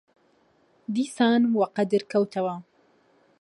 دیسان وەقەدر کەوتەوە